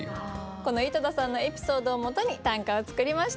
この井戸田さんのエピソードをもとに短歌を作りました。